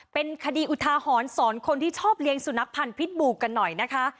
เป็นคดีอุทาหรณ์สอนคนที่ชอบเลี้ยงสุนัขพันธ์พิษบูกันหน่อยนะคะ